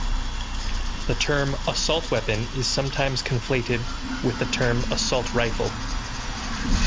The term "assault weapon" is sometimes conflated with the term "assault rifle".